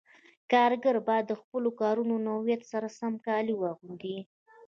کاریګر باید د خپلو کارونو له نوعیت سره سم کالي واغوندي.